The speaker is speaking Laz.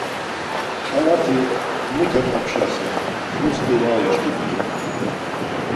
Ǩalati muten opşasen, musti var uçkit̆u?